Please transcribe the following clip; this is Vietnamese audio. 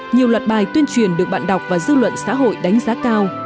nhiều loạt bài tuyên truyền được bạn đọc và dư luận xã hội đánh giá cao